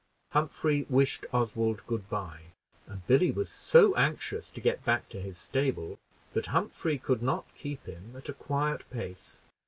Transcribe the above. Humphrey wished Oswald good by; and Billy was so anxious to get back to his stable, that Humphrey could not keep him at a quiet pace.